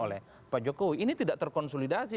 oleh pak jokowi ini tidak terkonsolidasi